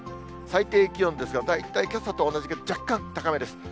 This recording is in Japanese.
最低気温ですが、大体けさと同じか若干高めです。